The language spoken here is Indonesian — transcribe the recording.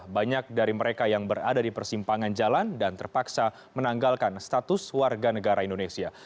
banyak dari mereka yang berada di persimpangan jalan dan terpaksa menanggalkan status warga negara indonesia